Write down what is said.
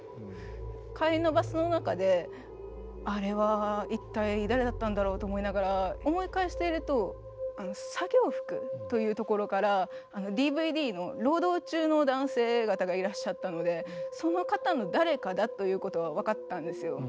帰りのバスの中であれは一体誰だったんだろうと思いながら思い返していると作業服というところからＤＶＤの労働中の男性方がいらっしゃったのでその方の誰かだということは分かったんですよ。